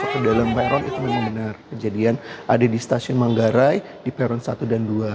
ke dalam peron itu memang benar kejadian ada di stasiun manggarai di peron satu dan dua